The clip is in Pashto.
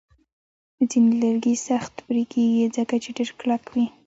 ځینې لرګي سخت پرې کېږي، ځکه چې ډیر کلک وي.